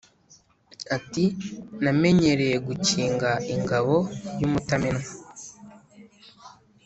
ati: namenyereye gukinga ingabo y'umutamenwa,